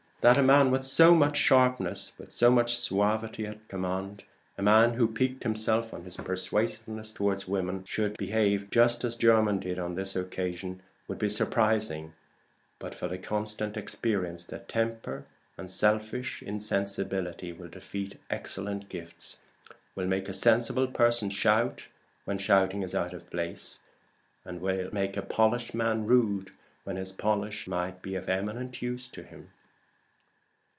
That a man with so much sharpness, with so much suavity at command a man who piqued himself on his persuasiveness toward women should behave just as Jermyn did on this occasion, would be surprising but for the constant experience that temper and selfish insensibility will defeat excellent gifts will make a sensible person shout when shouting is out of place, and will make a polished man rude when his polish might be of eminent use to him.